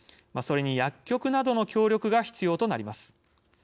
それに薬局などの協力が必要となります。